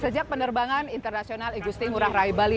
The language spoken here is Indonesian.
sejak penerbangan internasional igusti ngurah rai bali